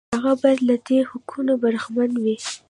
هغه باید له دې حقوقو برخمن وي.